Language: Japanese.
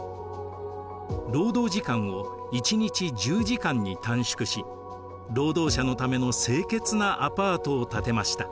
労働時間を１日１０時間に短縮し労働者のための清潔なアパートを建てました。